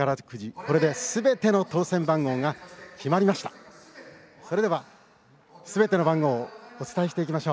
これで、すべての当せん番号が決まりました。